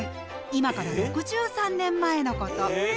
今から６３年前のこと。